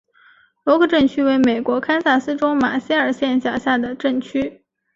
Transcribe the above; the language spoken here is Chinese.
罗克镇区为美国堪萨斯州马歇尔县辖下的镇区。